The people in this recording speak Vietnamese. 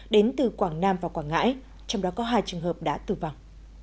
đến từ quảng nam và quảng ngãi trong đó có hai trường hợp đã tử vong